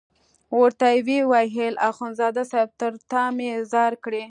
ورته ویې ویل اخندزاده صاحب تر تا مې ځار کړې.